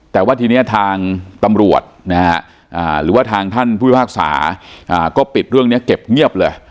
แต่ว่าทีนี้ทางตำรวจนะฮะหรือว่าทางท่านผู้พิพากษาก็ปิดเรื่องนี้เก็บเงียบเลย